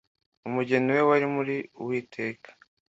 umugeni we, wari muri uwiteka